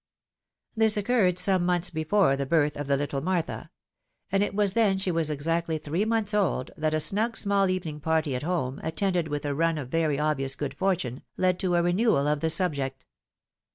This occurred some months before the birth of the Httle Martha ; and it was when she was exactly three months old, that a snug small evening party at home, attended with a run of very obvious good fortune, led to a renewal of the subject.